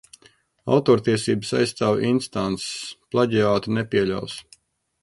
Autortiesības aizstāv instances. Plaģiātu nepieļaus.